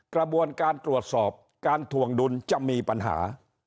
กระบวนการตรวจสอบการถวงดุลจะมีปัญหา